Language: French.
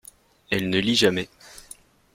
Elle ne lit jamais.